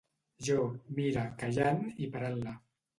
Jo, mira, callant i parant-la.